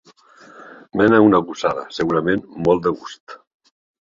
Mena una gossada, segurament molt de gust.